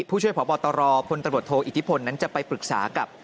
ผู้ช่วยพบตรพลตำรวจโทอิทธิพลนั้นจะไปปรึกษากับ